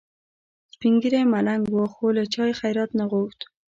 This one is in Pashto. سپین ږیری ملنګ و خو له چا یې خیرات نه غوښت.